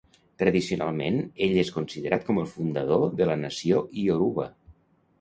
Tradicionalment ell és considerat com el fundador de la nació ioruba.